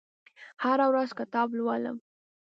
هره ورځ کتاب لولم